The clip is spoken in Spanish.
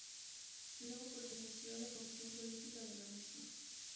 Luego perteneció a la Comisión Política de la misma.